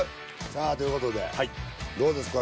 気ということでどうですか？